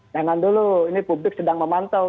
jangan dulu ini publik sedang memantau